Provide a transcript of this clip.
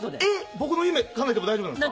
僕の夢叶えても大丈夫なんですか？